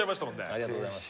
ありがとうございます。